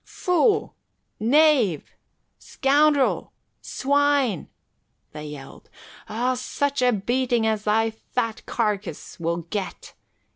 "Fool! Knave! Scoundrel! Swine!" they yelled. "Oh, such a beating as thy fat carcase will get.